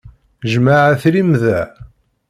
Jjmeɣ ad tilim da.